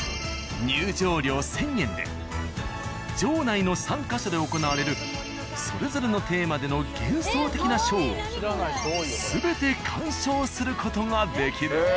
入場料１０００円で場内の３ヵ所で行われるそれぞれのテーマでの幻想的なショーを全て鑑賞する事ができる。